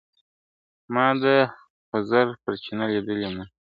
ما د خضر پر چینه لیدلي مړي !.